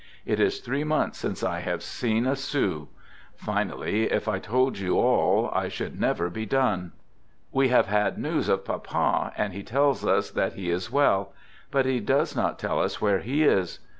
It is three months since I have seen a sou. Finally, if I told you all, I should never be done. We have had news of Papa, and he tells us that he is well; but he does not tell us where he is.